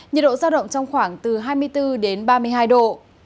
nhiệt độ giao động trong khoảng từ hai mươi bốn đến ba mươi hai độ